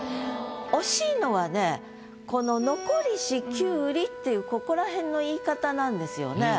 惜しいのはねこの「残りし胡瓜」っていうここらへんの言い方なんですよね。